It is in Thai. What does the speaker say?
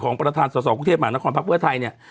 ของประธานส่อกรุงเทพอาหารนครภักดิ์เวือไทยเนี่ย